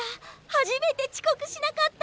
初めてちこくしなかった。